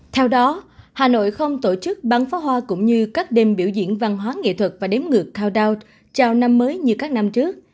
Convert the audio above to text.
theo đó hà nội không tổ chức bắn pháo hoa cũng như các đêm biểu diễn văn hóa nghệ thuật và đếm ngược countdownt chào năm mới như các năm trước